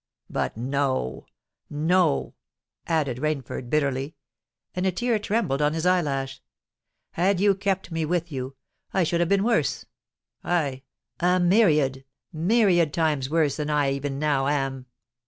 But, no—no," added Rainford bitterly—and a tear trembled on his eye lash,—"had you kept me with you, I should have been worse—aye, a myriad, myriad times worse than I even now am!"